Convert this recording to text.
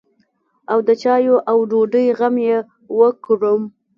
او د چايو او ډوډۍ غم يې وکړم.